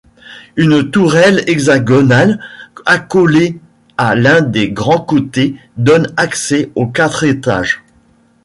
Une tourelle hexagonale accolée à l'un des grands côtés donne accès aux quatre étages.